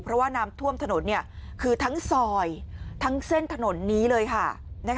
เพราะว่าน้ำท่วมถนนคือทั้งซอยทั้งเส้นถนนนี้เลยค่ะ